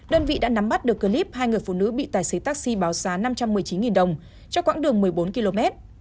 đơn vị đã nắm bắt được clip hai người phụ nữ bị tài xế taxi báo giá năm trăm một mươi chín đồng cho quãng đường một mươi bốn km